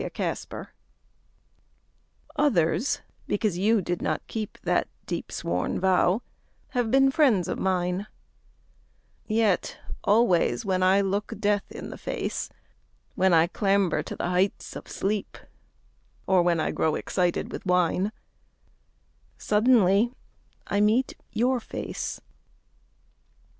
A DEEP SWORN VOW Others because you did not keep That deep sworn vow have been friends of mine; Yet always when I look death in the face, When I clamber to the heights of sleep, Or when I grow excited with wine, Suddenly I meet your face.